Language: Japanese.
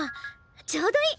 ちょうどいい。